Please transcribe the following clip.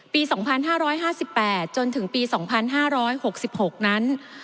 ปี๒๕๕๘จนถึงปี๒๕๖๖นั้น